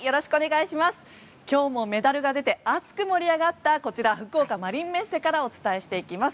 今日もメダルが出て熱く盛り上がったこちら、福岡市マリンメッセからお伝えします。